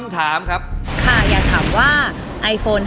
ไอโฟน๕เป็นไอโฟนรุ่นที่เท่าไหร่ของไอโฟน